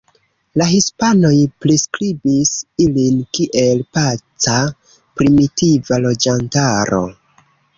La hispanoj priskribis ilin kiel paca primitiva loĝantaro.